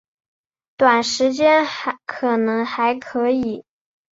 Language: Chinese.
短时间可能还可以